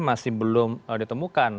masih belum ditemukan